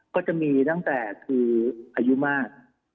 ก็จะมีตั้งแต่คืออายุมาก